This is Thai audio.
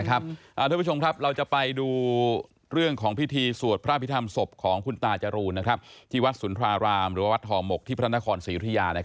ท่านผู้ชมครับเราจะไปดูเรื่องของพิธีสวดพระพิธรรมศพของคุณตาจรูนที่วัดสุนทรารามหรือว่าวัดห่อหมกที่พระนครศรียุธยา